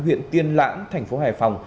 huyện tiên lãng thành phố hải phòng